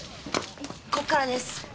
こっからです。